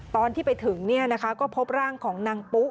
ตอนที่ไปถึงก็พบร่างของนางปุ๊